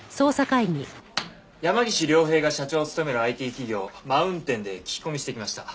山岸凌平が社長を務めるＩＴ企業マウンテンで聞き込みしてきました。